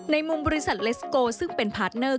ในมุมบริษัทเลสโกซึ่งเป็นพาร์ทเนอร์